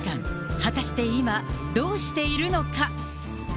果たして今、どうしているのか。